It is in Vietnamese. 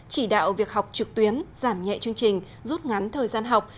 chỉ đạo việc học trực tuyến giảm nhẹ chương trình rút ngắn thời gian học